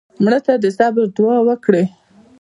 مړه ته د صبر دوعا وکړې